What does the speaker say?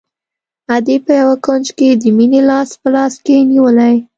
ادې په يوه کونج کښې د مينې لاس په لاس کښې نيولى.